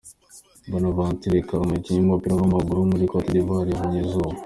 Bonaventure Kalou, umukinnyi w’umupira w’amaguru wo muri Cote d’ivoire yabonye izuba.